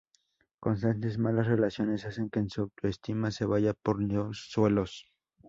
Constantes malas relaciones hacen que su autoestima se vaya por los suelos.